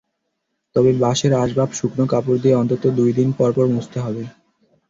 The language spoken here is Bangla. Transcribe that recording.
তবে বাঁশের আসবাব শুকনো কাপড় দিয়ে অন্তত দুই দিন পরপর মুছতে হবে।